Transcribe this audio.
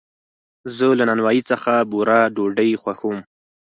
زه له نانوایي څخه بوره ډوډۍ خوښوم.